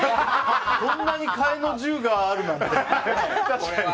こんなに替えの銃があるなんて。